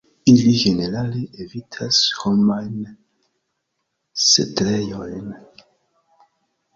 Ili ĝenerale evitas homajn setlejojn.